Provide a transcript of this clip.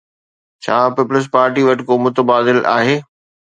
ڇا Peoples Party وٽ ڪو متبادل آهي؟